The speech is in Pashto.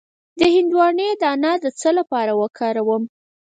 د هندواڼې دانه د څه لپاره وکاروم؟